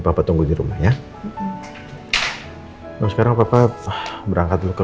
bapak tunggu di rumah ya nah sekarang papa berangkat dulu ke